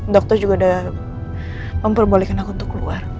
dokter juga udah memperbolehkan aku untuk keluar